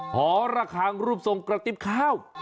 หอระคังรูปทรงกระติ๊บข้าว